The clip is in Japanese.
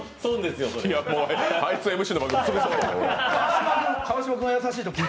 あいつＭＣの番組潰そうと思った。